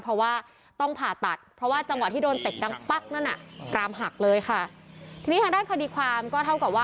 เพราะว่าต้องผ่าตัดจังหวะที่โดนเต็กน้ำปั๊กกลามหักเลยทีนี้ทางด้านคดีความก็เท่ากับว่า